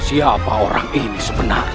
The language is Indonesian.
siapa orang ini sebenarnya